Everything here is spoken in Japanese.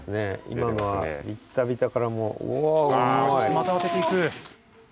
今のはビッタビタからもううわ。そしてまたあてていく。